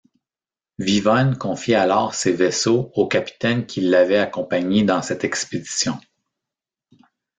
Vivonne confie alors ses vaisseaux aux capitaines qui l'avaient accompagnés dans cette expédition.